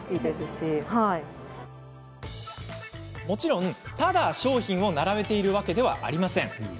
もちろん、ただ商品を並べているわけではありません。